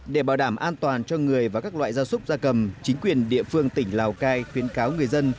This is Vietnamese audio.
để bảo đảm an toàn cho người và các loại gia súc gia cầm chính quyền địa phương tỉnh lào cai khuyến cáo người dân